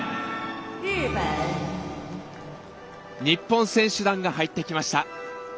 日本選手団が入ってきました。